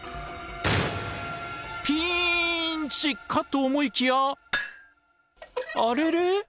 ピンチかと思いきやあれれ？